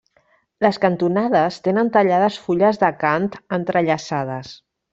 Les cantonades tenen tallades fulles d'acant entrellaçades.